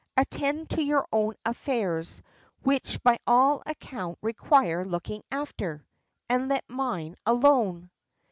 Attend to your own affairs, which by all account require looking after, and let mine alone."